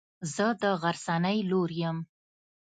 زه د غرڅنۍ لور يم.